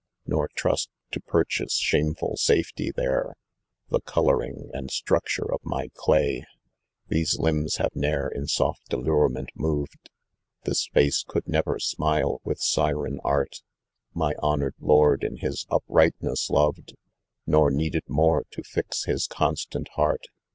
Nor trust, to purchase shameful safety there, The colouring and structure ormy clay. « These limbs have ne'er in soft allurement moved, This face could never smile with syren art, My honoured lord in his uprightness loved, Xor needed more to fi* his constant heart.